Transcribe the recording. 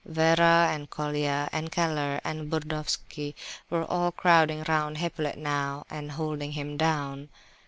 Vera and Colia, and Keller, and Burdovsky were all crowding round Hippolyte now and holding him down.